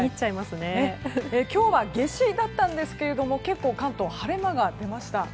今日は夏至だったんですが関東は結構晴れ間が出ました。